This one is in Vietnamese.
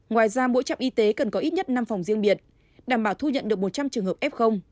ngoài ra mỗi trạm y tế cần có ít nhất năm phòng riêng biệt đảm bảo thu nhận được một trăm linh trường hợp f